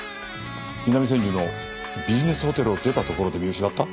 南千住のビジネスホテルを出たところで見失った？